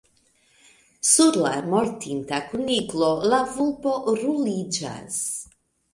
Sur la mortinta kuniklo, la vulpo ruliĝas.